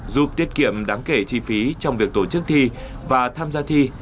giúp tiết kiệm đáng kể chi phí trong việc tổ chức thi và tham gia thi